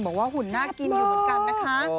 หุ่นน่ากินอยู่เหมือนกันนะคะ